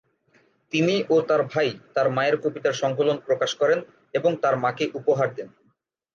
তিনি ও তার ভাই তার মায়ের কবিতার সংকলন প্রকাশ করেন এবং তার মাকে উপহার দেন।